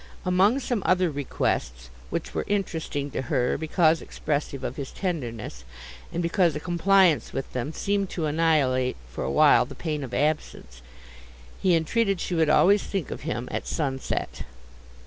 Among some other requests, which were interesting to her, because expressive of his tenderness, and because a compliance with them seemed to annihilate for a while the pain of absence, he entreated she would always think of him at sunset.